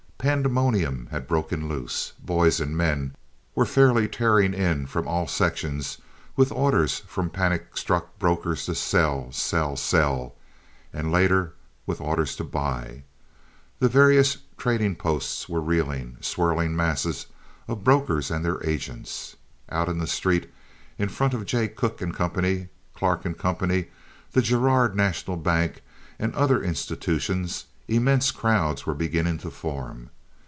Pandemonium had broken loose. Boys and men were fairly tearing in from all sections with orders from panic struck brokers to sell, sell, sell, and later with orders to buy; the various trading posts were reeling, swirling masses of brokers and their agents. Outside in the street in front of Jay Cooke & Co., Clark & Co., the Girard National Bank, and other institutions, immense crowds were beginning to form.